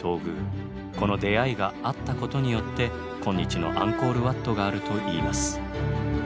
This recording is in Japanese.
この出会いがあったことによって今日のアンコールワットがあるといいます。